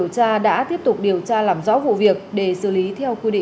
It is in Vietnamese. có thịt lạc thôi